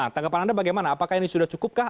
tanggapan anda bagaimana apakah ini sudah cukupkah